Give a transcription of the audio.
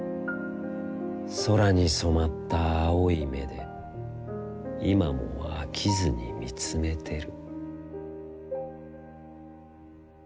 空にそまった青い眼で、いまも、あきずにみつめてる」。